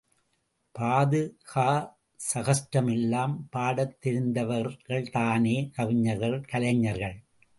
பாதுகா சஹஸ்ரம் எல்லாம் பாடத் தெரிந்தவர்கள்தானே, கவிஞர்கள், கலைஞர்கள்?